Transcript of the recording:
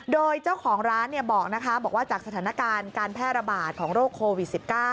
โดยเจ้าของร้านบอกว่าจากสถานการณ์การแพร่ระบาดของโรคโควิด๑๙